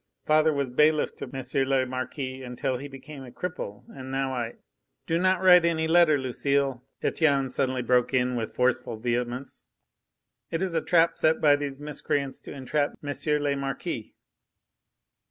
"Father was bailiff to M. le Marquis until he became a cripple and now I " "Do not write any letter, Lucile," Etienne suddenly broke in with forceful vehemence. "It is a trap set by these miscreants to entrap M. le Marquis."